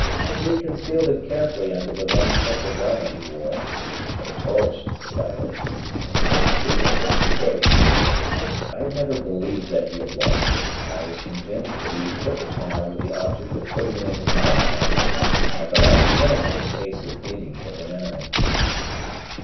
He had concealed it carefully under the one simple garment he wore, but it bulged slightly, and so the secret was betrayed. I had never believed that he had lost it, and I was convinced that he took it now with the object of putting it into my hands at the last moment in case of meeting with an enemy.